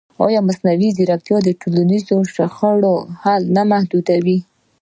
ایا مصنوعي ځیرکتیا د ټولنیزو شخړو حل نه محدودوي؟